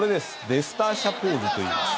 デスターシャポーズといいます。